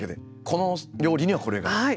この料理にはこれが合う。